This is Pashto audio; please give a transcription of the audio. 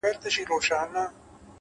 هره ورځ د ښه اغېز فرصت لري,